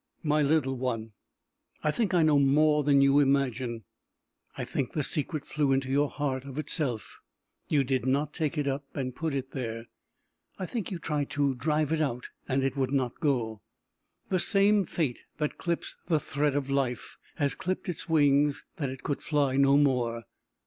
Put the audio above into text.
"My little one, I think I know more than you imagine. I think the secret flew into your heart of itself; you did not take it up and put it there. I think you tried to drive it out, and it would not go: the same Fate that clips the thread of life, had clipped its wings that it could fly no more!